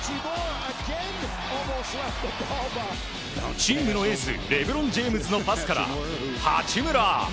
チームのエースレブロン・ジェームズのパスから八村。